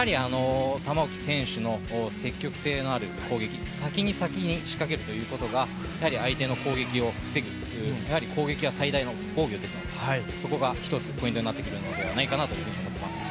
玉置選手の積極性のある攻撃、先に先に仕掛けるということが相手の攻撃を防ぐ、攻撃は最大の防御ですので、そこが１つ、ポイントになってくるのではないかなと思っています。